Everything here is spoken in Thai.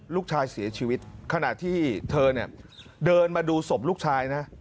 ลูกชายเสียชีวิตขณะที่เธอเนี่ยเดินมาดูศพลูกชายนะ